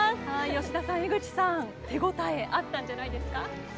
吉田さん、江口さん手応えあったんじゃないですか。